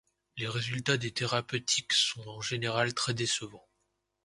Les résultats des thérapeutiques sont en général très décevants.